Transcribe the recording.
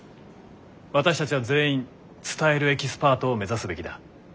私たちは全員伝えるエキスパートを目指すべきだ。